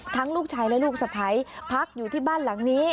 ลูกชายและลูกสะพ้ายพักอยู่ที่บ้านหลังนี้